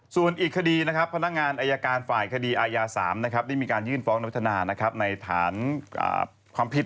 ส่วนอีกคดีนะครับพนักงานอายการฝ่ายคดีอายา๓ได้มีการยื่นฟ้องนวัฒนาในฐานความผิด